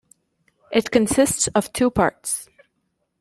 It consists of two parts.